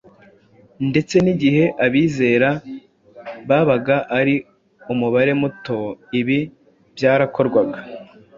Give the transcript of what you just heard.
Ndetse n’igihe abizera babaga ari umubare muto, ibi byarakorwaga.